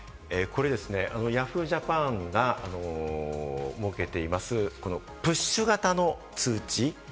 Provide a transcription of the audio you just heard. Ｙａｈｏｏ！ＪＡＰＡＮが設けています、プッシュ型の通知。